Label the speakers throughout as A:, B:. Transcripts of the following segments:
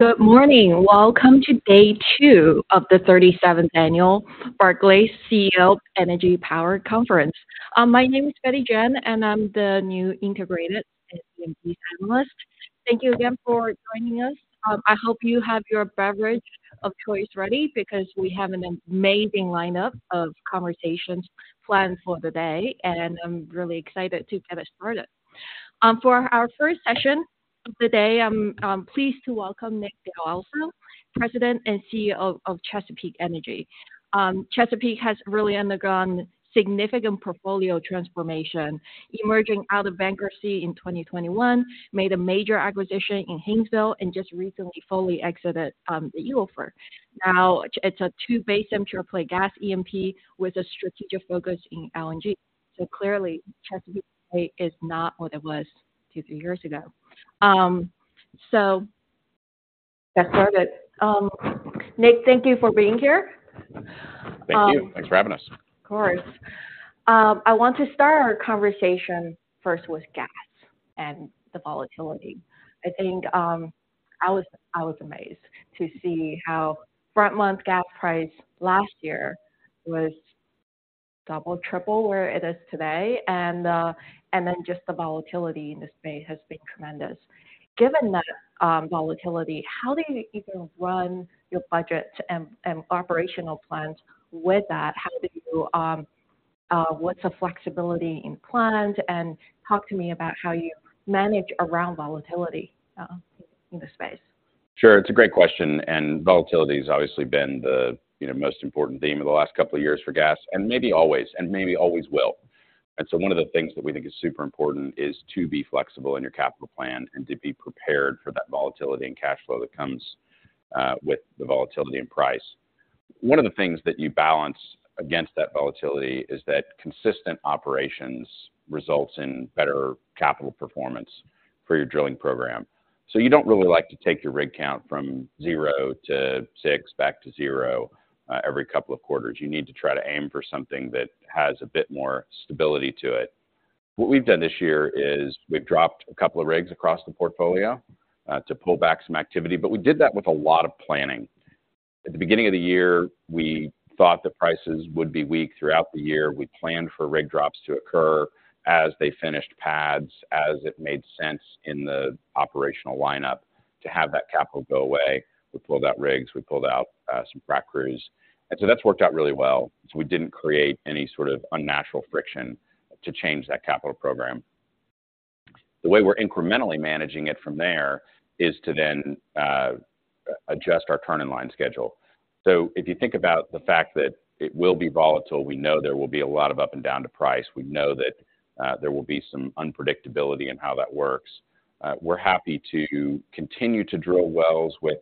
A: Good morning. Welcome to day two of the 37th Annual Barclays CEO Energy Power Conference. My name is Betty Jiang, and I'm the new E&P analyst. Thank you again for joining us. I hope you have your beverage of choice ready, because we have an amazing lineup of conversations planned for the day, and I'm really excited to get us started. For our first session of the day, I'm pleased to welcome Nick Dell'Osso, President and CEO of Chesapeake Energy. Chesapeake has really undergone significant portfolio transformation, emerging out of bankruptcy in 2021, made a major acquisition in Haynesville, and just recently fully exited the Eagle Ford. Now, it's a 2-basin pure play gas E&P with a strategic focus in LNG. Clearly, Chesapeake is not what it was 2, 3 years ago. So let's get started. Nick, thank you for being here.
B: Thank you. Thanks for having us.
A: Of course. I want to start our conversation first with gas and the volatility. I think, I was amazed to see how front-month gas price last year was double, triple where it is today, and then just the volatility in the space has been tremendous. Given that volatility, how do you even run your budget and operational plans with that? How do you, what's the flexibility in plans? And talk to me about how you manage around volatility in the space.
B: Sure, it's a great question, and volatility has obviously been the, you know, most important theme of the last couple of years for gas, and maybe always, and maybe always will. And so one of the things that we think is super important is to be flexible in your capital plan and to be prepared for that volatility and cash flow that comes with the volatility in price. One of the things that you balance against that volatility is that consistent operations results in better capital performance for your drilling program. So you don't really like to take your rig count from 0 to 6 back to 0 every couple of quarters. You need to try to aim for something that has a bit more stability to it. What we've done this year is we've dropped a couple of rigs across the portfolio, to pull back some activity, but we did that with a lot of planning. At the beginning of the year, we thought the prices would be weak throughout the year. We planned for rig drops to occur as they finished pads, as it made sense in the operational lineup to have that capital go away. We pulled out rigs, we pulled out some frac crews, and so that's worked out really well. So we didn't create any sort of unnatural friction to change that capital program. The way we're incrementally managing it from there is to then adjust our turn-in-line schedule. So if you think about the fact that it will be volatile, we know there will be a lot of up and down to price. We know that there will be some unpredictability in how that works. We're happy to continue to drill wells with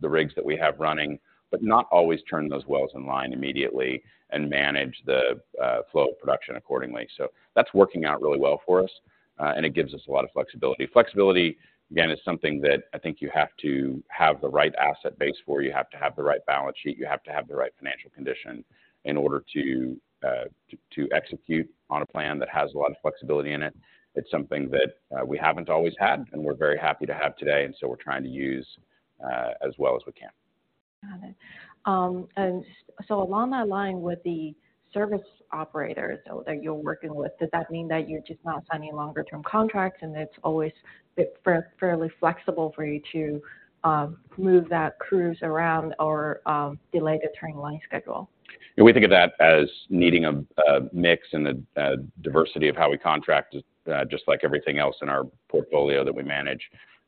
B: the rigs that we have running, but not always turn those wells in line immediately and manage the flow of production accordingly. So that's working out really well for us, and it gives us a lot of flexibility. Flexibility, again, is something that I think you have to have the right asset base for, you have to have the right balance sheet, you have to have the right financial condition in order to to execute on a plan that has a lot of flexibility in it. It's something that we haven't always had, and we're very happy to have today, and so we're trying to use as well as we can.
A: Got it. And so along that line, with the service operators that you're working with, does that mean that you're just not signing longer term contracts, and it's always fairly flexible for you to move those crews around or delay the turn-in-line schedule?
B: Yeah, we think of that as needing a mix and the diversity of how we contract, just like everything else in our portfolio that we manage.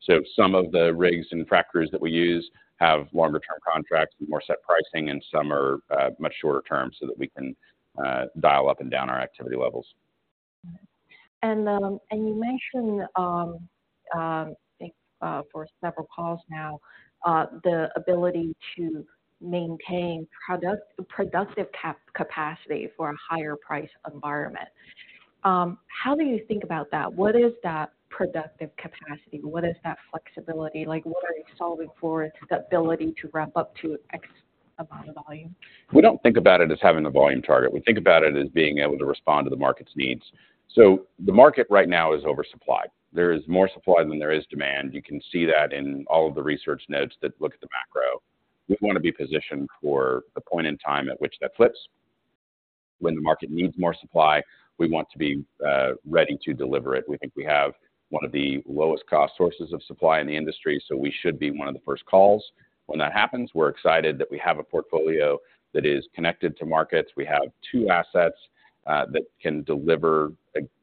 B: So some of the rigs and frac crews that we use have longer term contracts with more set pricing, and some are much shorter term so that we can dial up and down our activity levels.
A: You mentioned, I think, for several calls now, the ability to maintain productive capacity for a higher price environment. How do you think about that? What is that productive capacity? What is that flexibility? Like, what are you solving for? It's the ability to ramp up to X amount of volume.
B: We don't think about it as having a volume target. We think about it as being able to respond to the market's needs. So the market right now is oversupplied. There is more supply than there is demand. You can see that in all of the research notes that look at the macro. We want to be positioned for the point in time at which that flips. When the market needs more supply, we want to be ready to deliver it. We think we have one of the lowest cost sources of supply in the industry, so we should be one of the first calls. When that happens, we're excited that we have a portfolio that is connected to markets. We have two assets that can deliver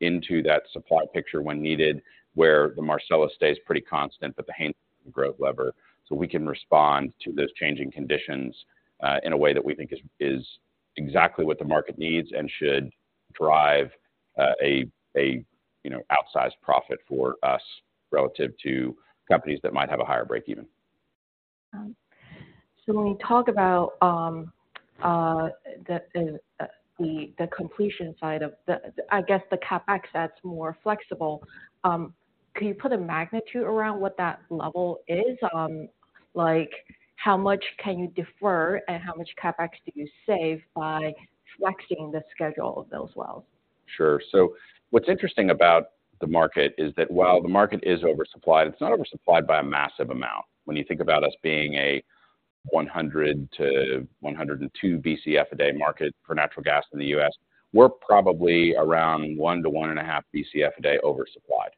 B: into that supply picture when needed, where the Marcellus stays pretty constant but the Haynesville growth lever. So we can respond to those changing conditions in a way that we think is exactly what the market needs and should drive a you know, outsized profit for us relative to companies that might have a higher breakeven.
A: So when we talk about the completion side of the, I guess the CapEx that's more flexible, can you put a magnitude around what that level is? Like, how much can you defer, and how much CapEx do you save by flexing the schedule of those wells?
B: Sure. So what's interesting about the market is that while the market is oversupplied, it's not oversupplied by a massive amount. When you think about us being a 100 Bcf-102 Bcf a day market for natural gas in the U.S., we're probably around 1 Bcf-1.5 Bcf a day oversupplied.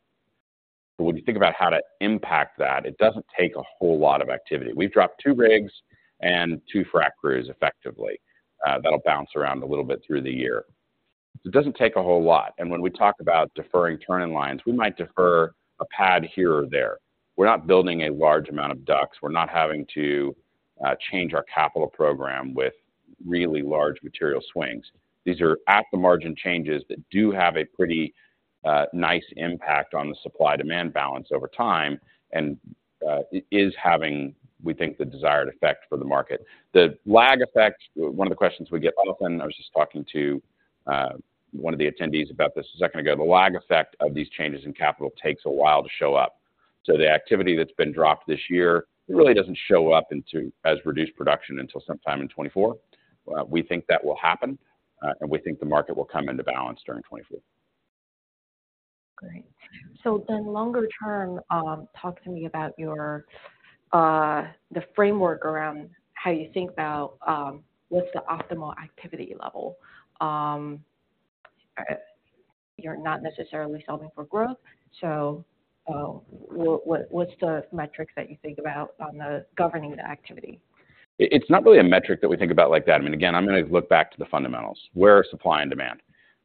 B: So when you think about how to impact that, it doesn't take a whole lot of activity. We've dropped 2 rigs and 2 frack crews effectively. That'll bounce around a little bit through the year. It doesn't take a whole lot, and when we talk about deferring turn-in-lines, we might defer a pad here or there. We're not building a large amount of DUCs. We're not having to change our capital program with really large material swings. These are at the margin changes that do have a pretty nice impact on the supply-demand balance over time, and it is having, we think, the desired effect for the market. The lag effect, one of the questions we get often, I was just talking to one of the attendees about this a second ago. The lag effect of these changes in capital takes a while to show up. So the activity that's been dropped this year, it really doesn't show up as reduced production until sometime in 2024. We think that will happen, and we think the market will come into balance during 2024.
A: Great. So then longer term, talk to me about your, the framework around how you think about, what's the optimal activity level? You're not necessarily solving for growth, so, what's the metrics that you think about on governing the activity?
B: It's not really a metric that we think about like that. I mean, again, I'm gonna look back to the fundamentals. Where are supply and demand?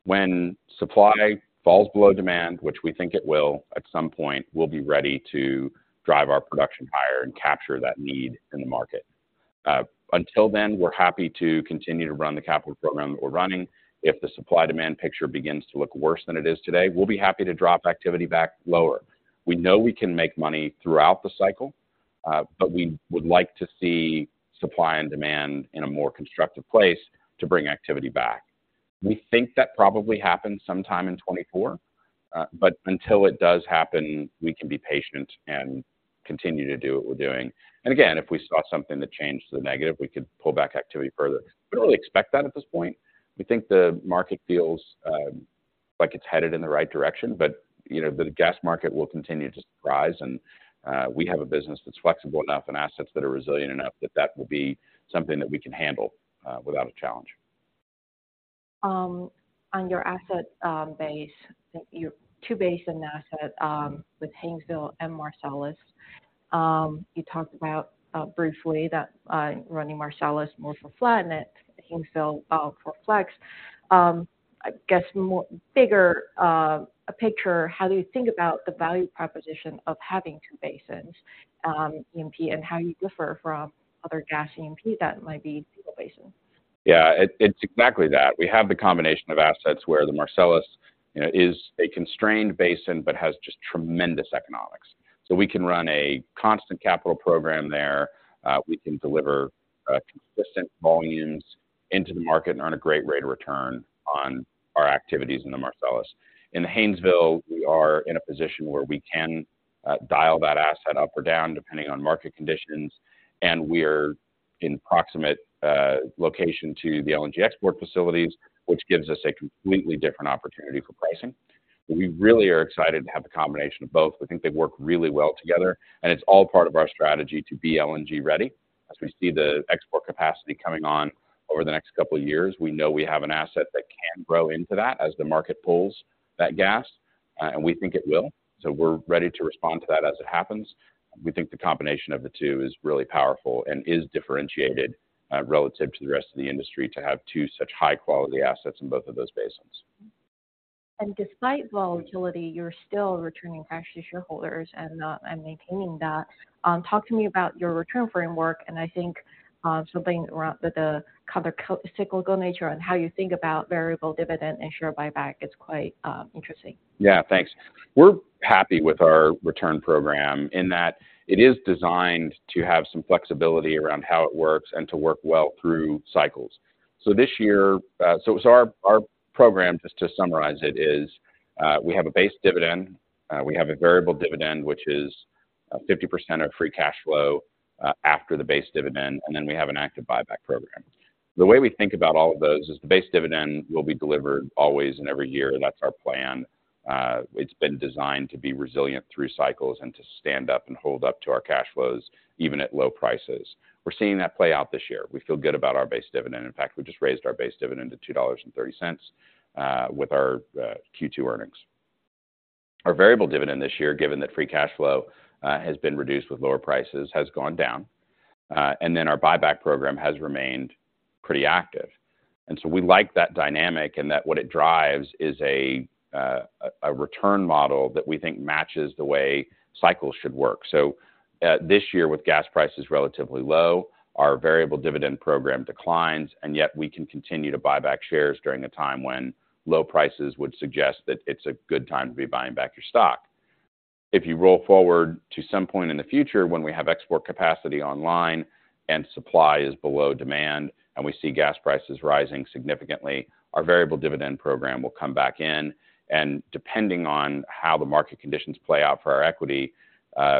B: When supply falls below demand, which we think it will, at some point, we'll be ready to drive our production higher and capture that need in the market. Until then, we're happy to continue to run the capital program that we're running. If the supply demand picture begins to look worse than it is today, we'll be happy to drop activity back lower. We know we can make money throughout the cycle, but we would like to see supply and demand in a more constructive place to bring activity back. We think that probably happens sometime in 2024, but until it does happen, we can be patient and continue to do what we're doing. And again, if we saw something that changed the negative, we could pull back activity further. We don't really expect that at this point. We think the market feels like it's headed in the right direction, but, you know, the gas market will continue to surprise. We have a business that's flexible enough and assets that are resilient enough, that that will be something that we can handle without a challenge.
A: On your asset base, your two basin asset with Haynesville and Marcellus. You talked about briefly that running Marcellus more for flat and Haynesville for flex. I guess, more bigger a picture, how do you think about the value proposition of having two basins E&P, and how you differ from other gas E&P that might be single basin?
B: Yeah, it's exactly that. We have the combination of assets where the Marcellus, you know, is a constrained basin, but has just tremendous economics. So we can run a constant capital program there. We can deliver consistent volumes into the market and earn a great rate of return on our activities in the Marcellus. In the Haynesville, we are in a position where we can dial that asset up or down, depending on market conditions, and we're in proximate location to the LNG export facilities, which gives us a completely different opportunity for pricing. We really are excited to have a combination of both. We think they work really well together, and it's all part of our strategy to be LNG ready. As we see the export capacity coming on over the next couple of years, we know we have an asset that can grow into that as the market pulls that gas, and we think it will. So we're ready to respond to that as it happens. We think the combination of the two is really powerful and is differentiated, relative to the rest of the industry, to have two such high-quality assets in both of those basins.
A: Despite volatility, you're still returning cash to shareholders and maintaining that. Talk to me about your return framework, and I think something around with the kind of cyclical nature and how you think about variable dividend and share buyback is quite interesting.
B: Yeah, thanks. We're happy with our return program in that it is designed to have some flexibility around how it works and to work well through cycles. So this year, so our program, just to summarize it, is, we have a base dividend, we have a variable dividend, which is, 50% of free cash flow, after the base dividend, and then we have an active buyback program. The way we think about all of those is the base dividend will be delivered always in every year. That's our plan. It's been designed to be resilient through cycles and to stand up and hold up to our cash flows, even at low prices. We're seeing that play out this year. We feel good about our base dividend. In fact, we just raised our base dividend to $2.30 with our Q2 earnings. Our variable dividend this year, given that free cash flow has been reduced with lower prices, has gone down. And then our buyback program has remained pretty active. And so we like that dynamic and that what it drives is a return model that we think matches the way cycles should work. So, this year, with gas prices relatively low, our variable dividend program declines, and yet we can continue to buy back shares during a time when low prices would suggest that it's a good time to be buying back your stock. If you roll forward to some point in the future when we have export capacity online and supply is below demand, and we see gas prices rising significantly, our variable dividend program will come back in, and depending on how the market conditions play out for our equity,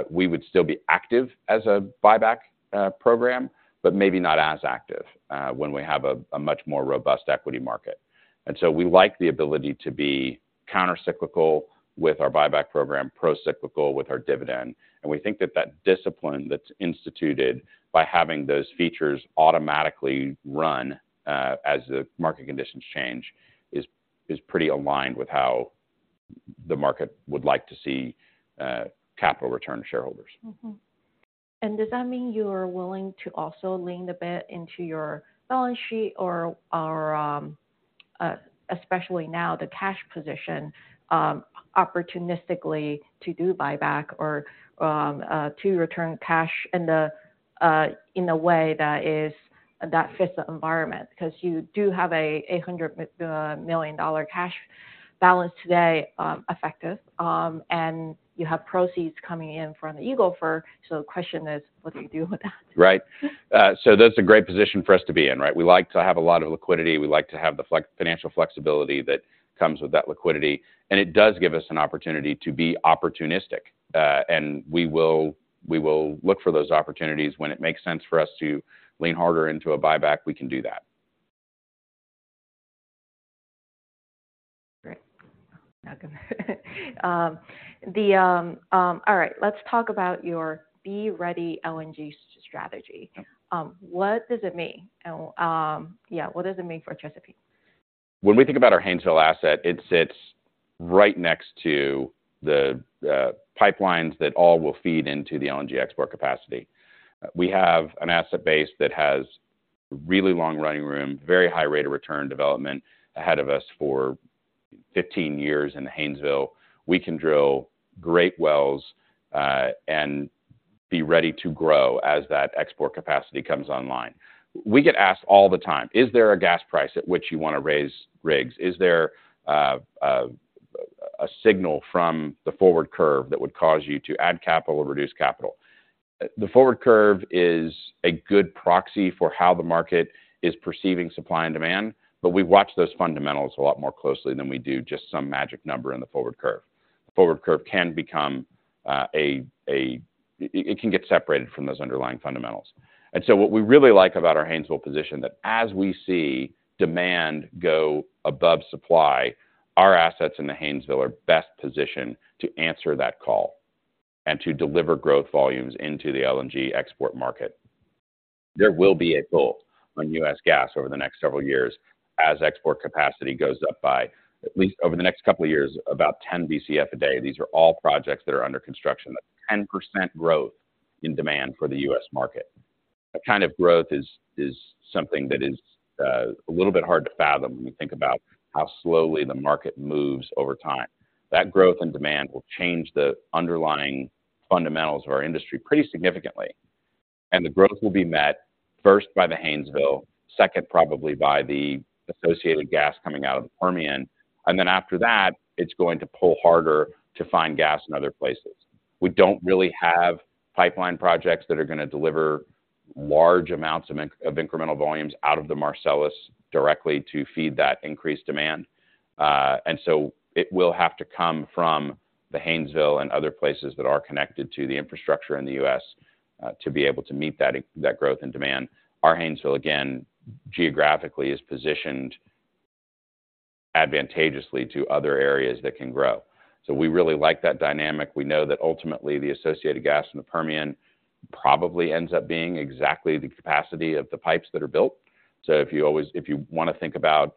B: we would still be active as a buyback program, but maybe not as active when we have a much more robust equity market. And so we like the ability to be countercyclical with our buyback program, procyclical with our dividend. And we think that that discipline that's instituted by having those features automatically run as the market conditions change is pretty aligned with how the market would like to see capital return to shareholders.
A: Mm-hmm. And does that mean you are willing to also lean a bit into your balance sheet or especially now, the cash position, opportunistically to do buyback or to return cash in the, in a way that fits the environment? Because you do have a $100 million cash balance today, effective, and you have proceeds coming in from the Eagle Ford. So the question is: what do you do with that?
B: Right. So that's a great position for us to be in, right? We like to have a lot of liquidity. We like to have the financial flexibility that comes with that liquidity, and it does give us an opportunity to be opportunistic. And we will look for those opportunities. When it makes sense for us to lean harder into a buyback, we can do that.
A: Great. All right, let's talk about your be ready LNG strategy. What does it mean? And, yeah, what does it mean for Chesapeake?
B: When we think about our Haynesville asset, it sits right next to the pipelines that all will feed into the LNG export capacity. We have an asset base that has really long running room, very high rate of return development ahead of us for 15 years in the Haynesville. We can drill great wells and be ready to grow as that export capacity comes online. We get asked all the time: "Is there a gas price at which you want to raise rigs? Is there a signal from the forward curve that would cause you to add capital or reduce capital?" The forward curve is a good proxy for how the market is perceiving supply and demand, but we watch those fundamentals a lot more closely than we do just some magic number in the forward curve. The forward curve can become. It can get separated from those underlying fundamentals. So what we really like about our Haynesville position, that as we see demand go above supply, our assets in the Haynesville are best positioned to answer that call and to deliver growth volumes into the LNG export market. There will be a pull on U.S. gas over the next several years as export capacity goes up by at least over the next couple of years, about 10 Bcf a day. These are all projects that are under construction. That's 10% growth in demand for the U.S. market. That kind of growth is something that is a little bit hard to fathom when you think about how slowly the market moves over time. That growth and demand will change the underlying fundamentals of our industry pretty significantly, and the growth will be met first by the Haynesville, second, probably by the associated gas coming out of the Permian, and then after that, it's going to pull harder to find gas in other places. We don't really have pipeline projects that are going to deliver large amounts of incremental volumes out of the Marcellus directly to feed that increased demand. And so it will have to come from the Haynesville and other places that are connected to the infrastructure in the U.S., to be able to meet that growth and demand. Our Haynesville, again, geographically, is positioned advantageously to other areas that can grow. So we really like that dynamic. We know that ultimately the associated gas in the Permian probably ends up being exactly the capacity of the pipes that are built. So if you want to think about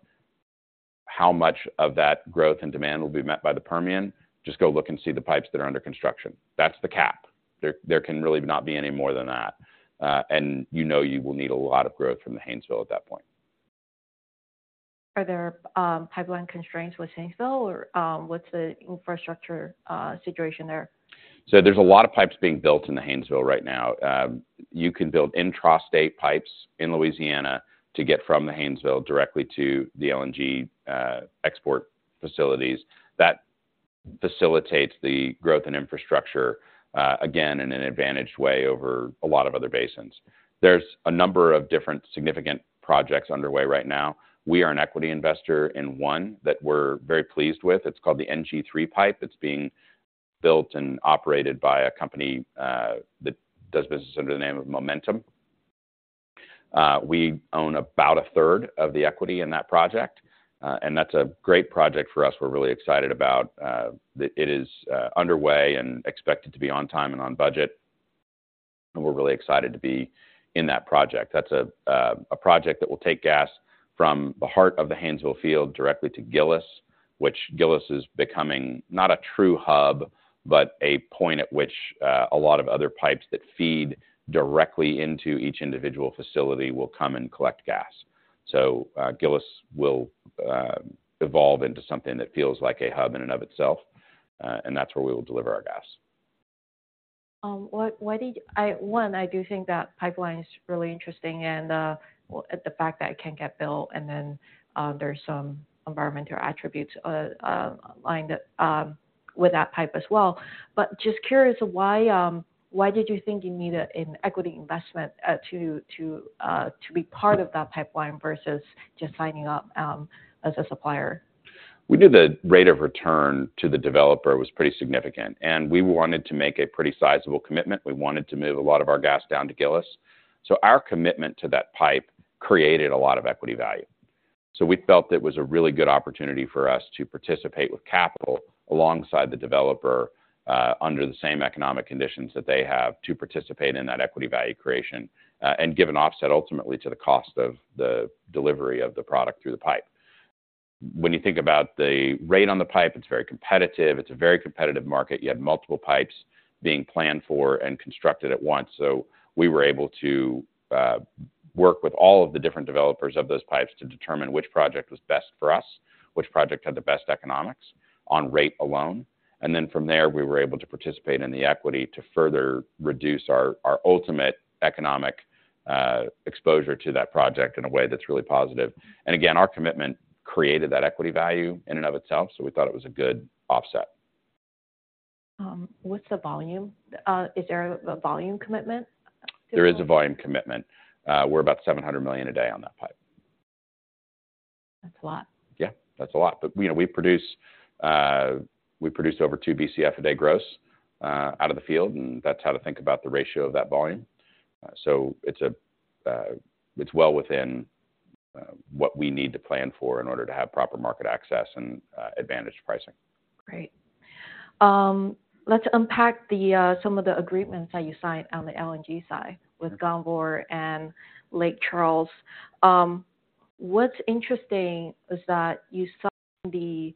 B: how much of that growth and demand will be met by the Permian, just go look and see the pipes that are under construction. That's the cap. There can really not be any more than that. And you know you will need a lot of growth from the Haynesville at that point.
A: Are there pipeline constraints with Haynesville or what's the infrastructure situation there?
B: So there's a lot of pipes being built in the Haynesville right now. You can build intrastate pipes in Louisiana to get from the Haynesville directly to the LNG export facilities. That facilitates the growth in infrastructure, again, in an advantaged way over a lot of other basins. There's a number of different significant projects underway right now. We are an equity investor in one that we're very pleased with. It's called the NG3 pipe. It's being built and operated by a company that does business under the name of Momentum. We own about a third of the equity in that project, and that's a great project for us. We're really excited about. It is underway and expected to be on time and on budget, and we're really excited to be in that project. That's a project that will take gas from the heart of the Haynesville field directly to Gillis, which Gillis is becoming not a true hub, but a point at which a lot of other pipes that feed directly into each individual facility will come and collect gas. So, Gillis will evolve into something that feels like a hub in and of itself, and that's where we will deliver our gas.
A: One, I do think that pipeline is really interesting and, well, the fact that it can get built and then, there's some environmental attributes aligned with that pipe as well. But just curious, why did you think you needed an equity investment to be part of that pipeline versus just signing up as a supplier?
B: We knew the rate of return to the developer was pretty significant, and we wanted to make a pretty sizable commitment. We wanted to move a lot of our gas down to Gillis. So our commitment to that pipe created a lot of equity value. So we felt it was a really good opportunity for us to participate with capital alongside the developer, under the same economic conditions that they have to participate in that equity value creation, and give an offset ultimately to the cost of the delivery of the product through the pipe. When you think about the rate on the pipe, it's very competitive. It's a very competitive market. You have multiple pipes being planned for and constructed at once. So we were able to work with all of the different developers of those pipes to determine which project was best for us, which project had the best economics on rate alone. And then from there, we were able to participate in the equity to further reduce our ultimate economic exposure to that project in a way that's really positive. And again, our commitment created that equity value in and of itself, so we thought it was a good offset.
A: What's the volume? Is there a volume commitment?
B: There is a volume commitment. We're about 700 million a day on that pipe.
A: That's a lot.
B: Yeah, that's a lot. But, you know, we produce over 2 Bcf/d gross out of the field, and that's how to think about the ratio of that volume. So it's well within what we need to plan for in order to have proper market access and advantage pricing.
A: Great. Let's unpack some of the agreements that you signed on the LNG side with Gunvor and Lake Charles. What's interesting is that you signed the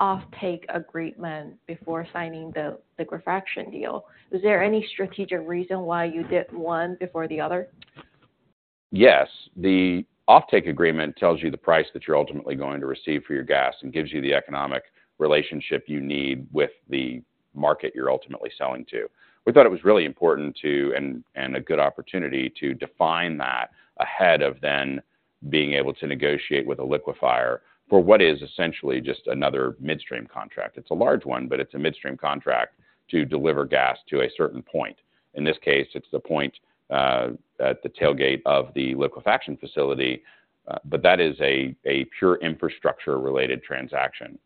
A: offtake agreement before signing the liquefaction deal. Is there any strategic reason why you did one before the other?
B: Yes. The offtake agreement tells you the price that you're ultimately going to receive for your gas and gives you the economic relationship you need with the market you're ultimately selling to. We thought it was really important to and a good opportunity to define that ahead of then being able to negotiate with a liquefier for what is essentially just another midstream contract. It's a large one, but it's a midstream contract to deliver gas to a certain point. In this case, it's the point at the tailgate of the liquefaction facility, but that is a pure infrastructure-related transaction.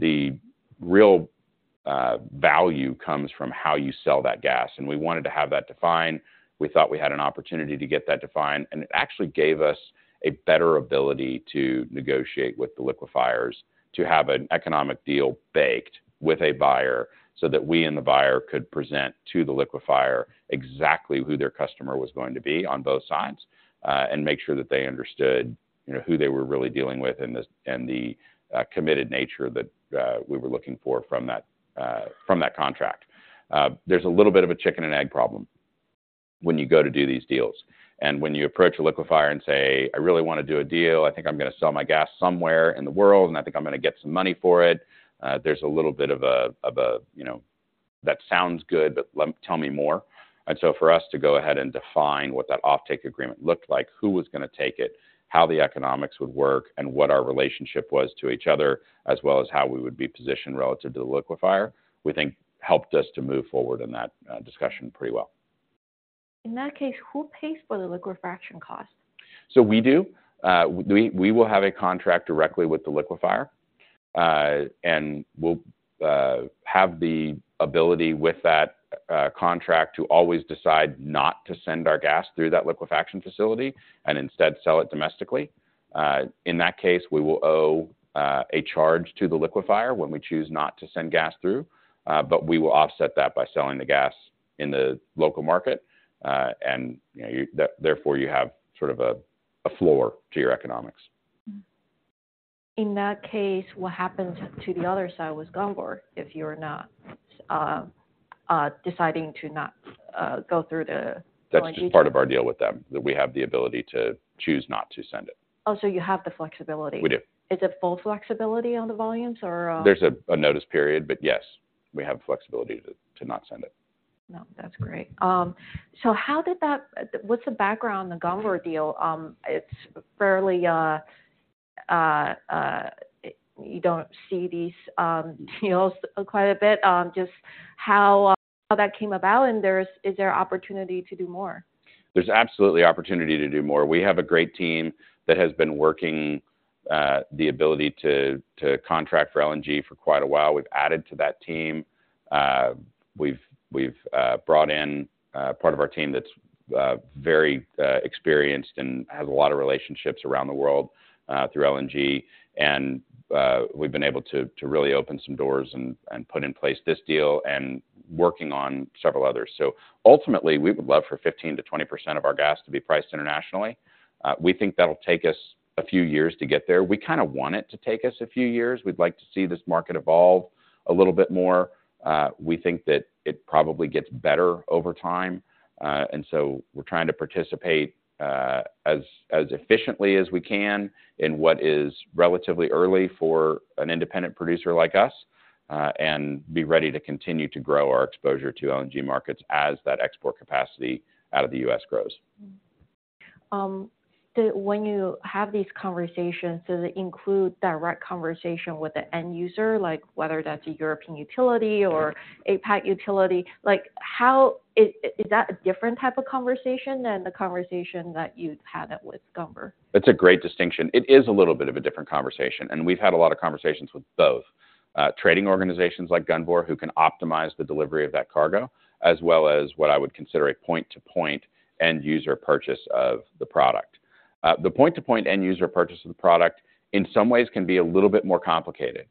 B: The real value comes from how you sell that gas, and we wanted to have that defined. We thought we had an opportunity to get that defined, and it actually gave us a better ability to negotiate with the liquefiers, to have an economic deal baked with a buyer, so that we and the buyer could present to the liquefier exactly who their customer was going to be on both sides, and make sure that they understood, you know, who they were really dealing with and the committed nature that we were looking for from that contract. There's a little bit of a chicken and egg problem when you go to do these deals. And when you approach a liquefier and say, "I really want to do a deal. I think I'm going to sell my gas somewhere in the world, and I think I'm going to get some money for it." There's a little bit of a, you know, "That sounds good, but tell me more." And so for us to go ahead and define what that offtake agreement looked like, who was going to take it, how the economics would work, and what our relationship was to each other, as well as how we would be positioned relative to the liquefier, we think helped us to move forward in that discussion pretty well.
A: In that case, who pays for the liquefaction cost?
B: So we do. We will have a contract directly with the liquefier, and we'll have the ability with that contract to always decide not to send our gas through that liquefaction facility and instead sell it domestically. In that case, we will owe a charge to the liquefier when we choose not to send gas through, but we will offset that by selling the gas in the local market, and, you know, therefore, you have sort of a floor to your economics.
A: In that case, what happens to the other side with Gunvor if you're not deciding to not go through the LNG?
B: That's just part of our deal with them, that we have the ability to choose not to send it.
A: Oh, so you have the flexibility?
B: We do.
A: Is it full flexibility on the volumes or?
B: There's a notice period, but yes, we have flexibility to not send it.
A: No, that's great. So, how did that? What's the background on the Gunvor deal? It's fairly. You don't see these deals quite a bit. Just how that came about, and is there opportunity to do more?
B: There's absolutely opportunity to do more. We have a great team that has been working the ability to contract for LNG for quite a while. We've added to that team. We've brought in part of our team that's very experienced and has a lot of relationships around the world through LNG, and we've been able to really open some doors and put in place this deal and working on several others. So ultimately, we would love for 15%-20% of our gas to be priced internationally. We think that'll take us a few years to get there. We kind of want it to take us a few years. We'd like to see this market evolve a little bit more. We think that it probably gets better over time, and so we're trying to participate as efficiently as we can in what is relatively early for an independent producer like us, and be ready to continue to grow our exposure to LNG markets as that export capacity out of the U.S. grows.
A: When you have these conversations, does it include direct conversation with the end user, like whether that's a European utility or APAC utility? Like, is that a different type of conversation than the conversation that you've had it with Gunvor?
B: That's a great distinction. It is a little bit of a different conversation, and we've had a lot of conversations with both trading organizations like Gunvor, who can optimize the delivery of that cargo, as well as what I would consider a point-to-point end user purchase of the product. The point-to-point end user purchase of the product, in some ways, can be a little bit more complicated.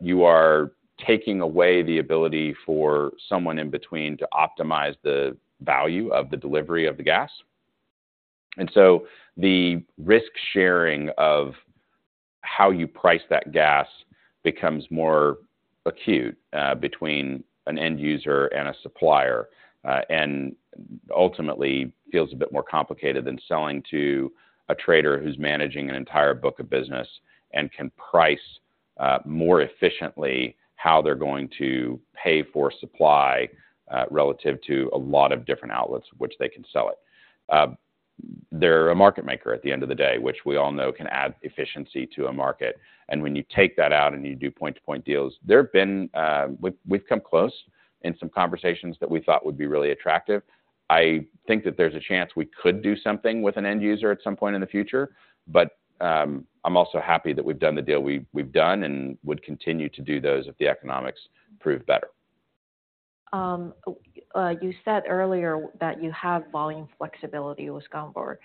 B: You are taking away the ability for someone in between to optimize the value of the delivery of the gas. And so the risk sharing of how you price that gas becomes more acute between an end user and a supplier. And ultimately, feels a bit more complicated than selling to a trader who's managing an entire book of business and can price more efficiently how they're going to pay for supply relative to a lot of different outlets which they can sell it. They're a market maker at the end of the day, which we all know can add efficiency to a market. And when you take that out and you do point-to-point deals, there have been. We've come close in some conversations that we thought would be really attractive. I think that there's a chance we could do something with an end user at some point in the future, but I'm also happy that we've done the deal we've done and would continue to do those if the economics prove better.
A: You said earlier that you have volume flexibility with Gunvor.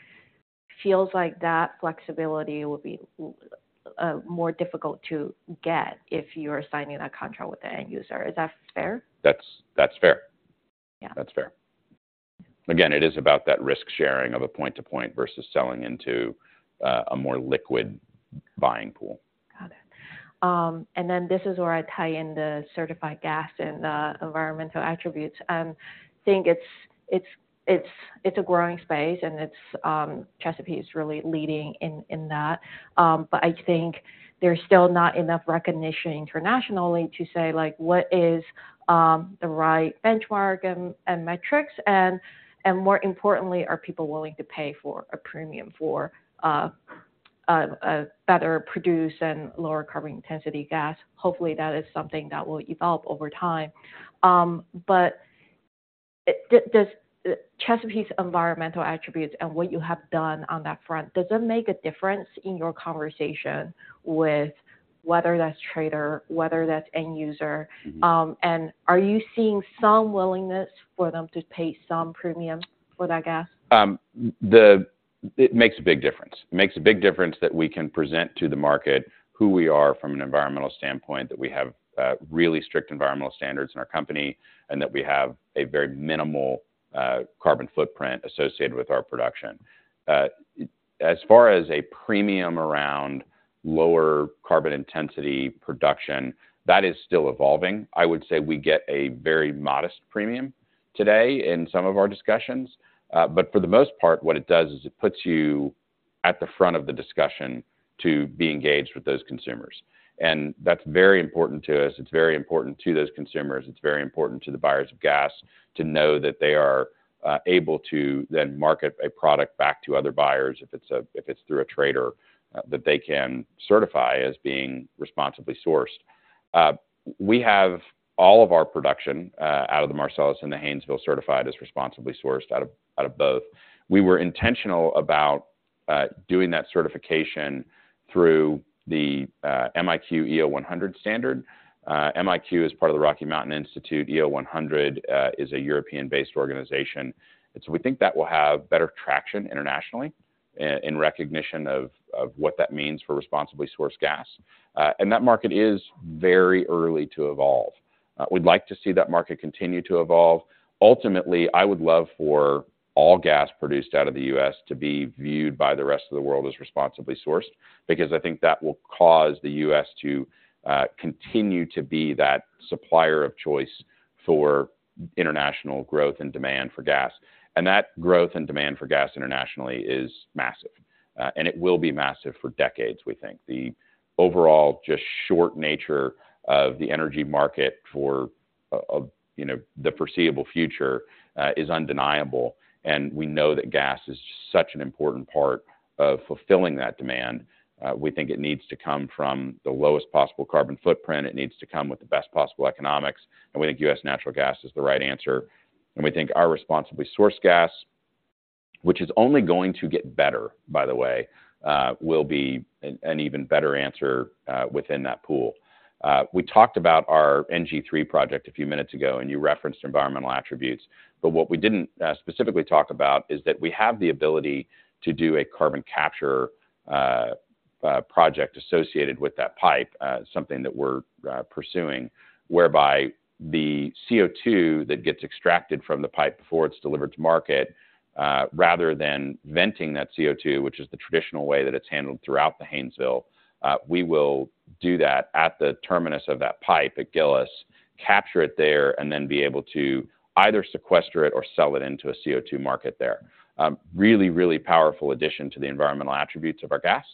A: Feels like that flexibility will be more difficult to get if you're signing a contract with the end user. Is that fair?
B: That's, that's fair.
A: Yeah.
B: That's fair. Again, it is about that risk sharing of a point to point versus selling into a more liquid buying pool.
A: Got it. And then this is where I tie in the certified gas and the environmental attributes. I think it's a growing space, and it's Chesapeake is really leading in that. But I think there's still not enough recognition internationally to say, like, what is the right benchmark and metrics, and more importantly, are people willing to pay for a premium for a better produced and lower carbon intensity gas? Hopefully, that is something that will evolve over time. But does Chesapeake's environmental attributes and what you have done on that front, does it make a difference in your conversation with whether that's trader, whether that's end user?
B: Mm-hmm.
A: Are you seeing some willingness for them to pay some premium for that gas?
B: It makes a big difference. It makes a big difference that we can present to the market who we are from an environmental standpoint, that we have really strict environmental standards in our company, and that we have a very minimal carbon footprint associated with our production. As far as a premium around lower carbon intensity production, that is still evolving. I would say we get a very modest premium today in some of our discussions. But for the most part, what it does is it puts you at the front of the discussion to be engaged with those consumers. And that's very important to us. It's very important to those consumers. It's very important to the buyers of gas to know that they are able to then market a product back to other buyers if it's through a trader that they can certify as being responsibly sourced. We have all of our production out of the Marcellus and the Haynesville certified as responsibly sourced out of both. We were intentional about doing that certification through the MiQ EO100 standard. MiQ is part of the Rocky Mountain Institute. EO100 is a European-based organization. And so we think that will have better traction internationally in recognition of what that means for responsibly sourced gas. And that market is very early to evolve. We'd like to see that market continue to evolve. Ultimately, I would love for all gas produced out of the U.S. to be viewed by the rest of the world as responsibly sourced, because I think that will cause the U.S. to continue to be that supplier of choice for international growth and demand for gas. And that growth and demand for gas internationally is massive, and it will be massive for decades, we think. The overall, just short nature of the energy market for, you know, the foreseeable future, is undeniable, and we know that gas is such an important part of fulfilling that demand. We think it needs to come from the lowest possible carbon footprint. It needs to come with the best possible economics, and we think U.S. natural gas is the right answer. We think our responsibly sourced gas, which is only going to get better, by the way, will be an even better answer within that pool. We talked about our NG3 project a few minutes ago, and you referenced environmental attributes, but what we didn't specifically talk about is that we have the ability to do a carbon capture project associated with that pipe, something that we're pursuing, whereby the CO2 that gets extracted from the pipe before it's delivered to market, rather than venting that CO2, which is the traditional way that it's handled throughout the Haynesville, we will do that at the terminus of that pipe at Gillis, capture it there, and then be able to either sequester it or sell it into a CO2 market there. Really, really powerful addition to the environmental attributes of our gas,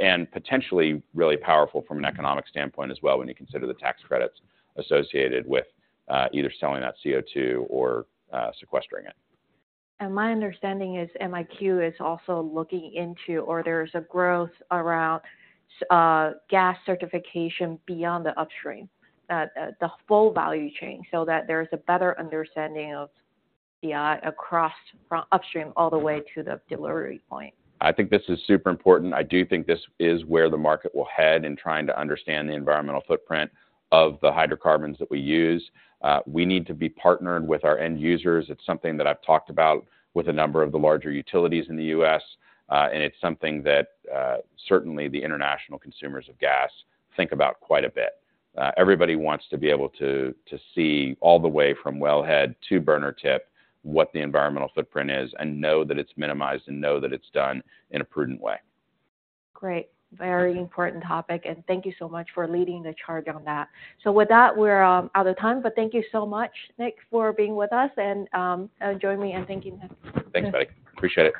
B: and potentially really powerful from an economic standpoint as well, when you consider the tax credits associated with either selling that CO2 or sequestering it.
A: My understanding is MiQ is also looking into, or there's a growth around, gas certification beyond the upstream, the full value chain, so that there is a better understanding of the, across from upstream all the way to the delivery point.
B: I think this is super important. I do think this is where the market will head in trying to understand the environmental footprint of the hydrocarbons that we use. We need to be partnered with our end users. It's something that I've talked about with a number of the larger utilities in the U.S., and it's something that certainly the international consumers of gas think about quite a bit. Everybody wants to be able to see all the way from wellhead to burner tip, what the environmental footprint is, and know that it's minimized and know that it's done in a prudent way.
A: Great. Very important topic, and thank you so much for leading the charge on that. So with that, we're out of time, but thank you so much, Nick, for being with us, and join me in thanking Nick.
B: Thanks, Betty. Appreciate it.